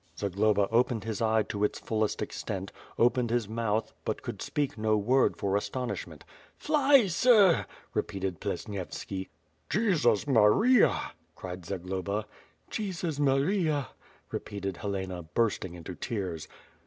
Zagloba opened his eye to its fullest extent; opened his mouth, but could speak no word for astonishment. "Fly, sir!" repeated Plesnievski. "Jesus Maria!" cried Zagloba. "Jesus Maria!" repeated Helena, bursting into tears.